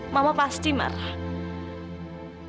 mama pasti marah